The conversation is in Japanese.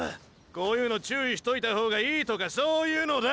こういうの注意しといた方がいいとかそういうのだ！